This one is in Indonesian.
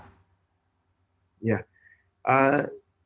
supaya investor retail ini jangan kapok nanti investasi di bursa saham indonesia pak